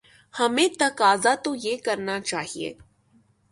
ہمیں تقاضا تو یہ کرنا چاہیے۔